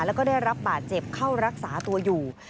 แล้วก็ได้รับบาดเจ็บเข้ารักษาตัวอยู่